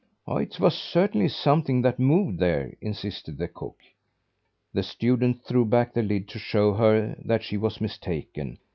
"It was certainly something that moved there," insisted the cook. The student threw back the lid to show her that she was mistaken.